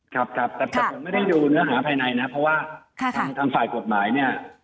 ครับครับแต่ผมไม่ได้ดูเนื้อหาภายในนะเพราะว่าทางฝ่ายกฎหมายเนี่ย